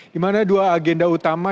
di mana dua agenda utama